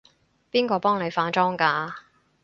邊個幫你化妝㗎？